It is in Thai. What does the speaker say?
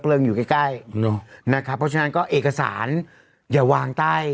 เปลืองอยู่ใกล้ใกล้น่าค่ะเพราะฉะนั้นก็เอกสารอย่าวางใต้